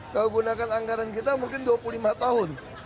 kalau gunakan anggaran kita mungkin dua puluh lima tahun